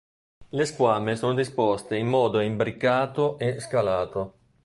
Le squame sono disposte in modo embricato e scalato.